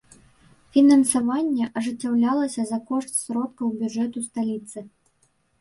Фінансаванне ажыццяўлялася за кошт сродкаў бюджэту сталіцы.